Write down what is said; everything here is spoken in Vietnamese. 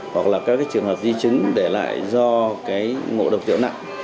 hoặc là các trường hợp di chứng để lại do ngộ độc tử